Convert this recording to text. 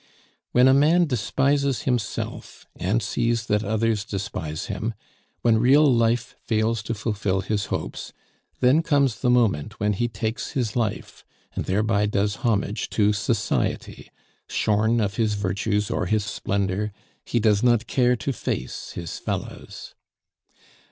When a man despises himself, and sees that others despise him, when real life fails to fulfil his hopes, then comes the moment when he takes his life, and thereby does homage to society shorn of his virtues or his splendor, he does not care to face his fellows.